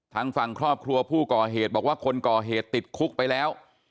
ทางฝั่งครอบครัวผู้ก่อเหตุบอกว่าคนก่อเหตุติดคุกไปแล้ว